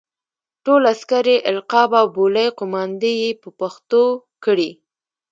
ټول عسکري القاب او بولۍ قوماندې یې په پښتو کړې.